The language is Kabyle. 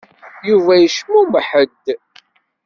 Yuba yecmumeḥ-d.